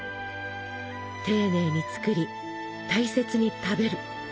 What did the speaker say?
丁寧に作り大切に食べる。